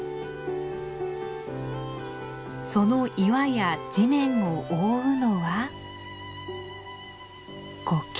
その岩や地面を覆うのはコケ。